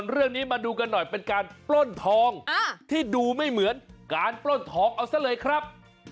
เรื่องนี้มาดูกันหน่อยเป็นการปล้นทองที่ดูไม่เหมือนการปล้นทองเอาซะเลยครับ